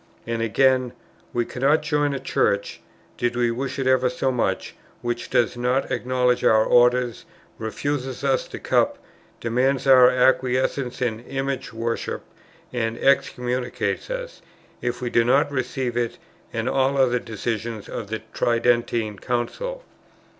And again: "We cannot join a Church, did we wish it ever so much, which does not acknowledge our orders, refuses us the Cup, demands our acquiescence in image worship, and excommunicates us, if we do not receive it and all other decisions of the Tridentine Council."